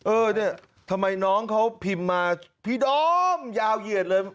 เออเนี่ยทำไมน้องเขาพิมพ์มาพี่ดอมยาวเหยียดเลย